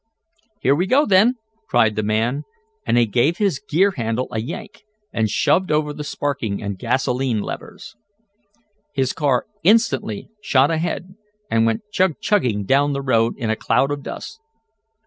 "Here we go then!" cried the man, and he gave his gear handle a yank, and shoved over the sparking and gasolene levers. His car instantly shot ahead, and went "chug chugging" down the road in a cloud of dust.